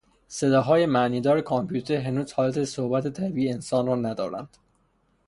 صداهای معنیدار کامپیوتر هنوز حالت صحبت طبیعی انسان را ندارند.